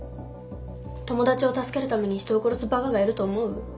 友達を助けるために人を殺すバカがいると思う？